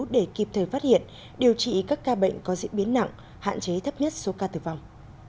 để kịp thời phát hiện điều trị các ca bệnh có diễn biến nặng hạn chế thấp nhất số ca tử vong